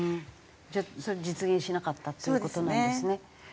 じゃあ実現しなかったっていう事なんですね。